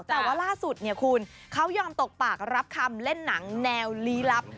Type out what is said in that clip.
แต่ว่าล่าสุดเนี่ยคุณเขายอมตกปากรับคำเล่นหนังแนวลี้ลับ